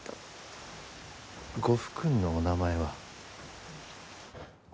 ご夫君のお名前は？